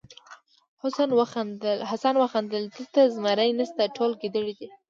حسن وخندل دلته زمری نشته ټول ګیدړان دي.